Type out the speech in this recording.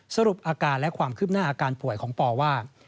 สรุปอาการและความคืบหน้าอาการป่วยของปอว่า